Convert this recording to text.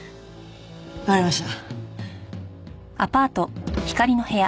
わかりました。